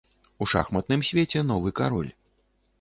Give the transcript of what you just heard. У шахматным свеце новы кароль.